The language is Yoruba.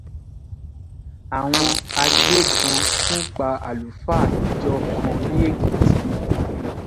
Àwọn agbébọn tún pa Alùfáà ìjọ kan ní Èkìtì.